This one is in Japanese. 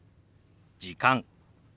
「時間」。